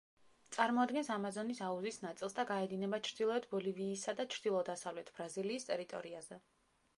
წარმოადგენს ამაზონის აუზის ნაწილს და გაედინება ჩრდილოეთ ბოლივიისა და ჩრდილო-დასავლეთ ბრაზილიის ტერიტორიაზე.